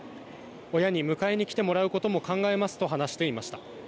親に迎えに来てもらうことも考えますと話していました。